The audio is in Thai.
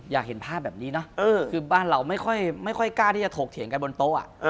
อยากเห็นภาพแบบนี้เนอะคือบ้านเราไม่ค่อยกล้าที่จะถกเถียงกันบนโต๊ะ